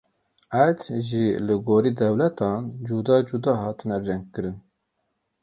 Erd jî li gorî dewletan cuda cuda hatine rengkirin.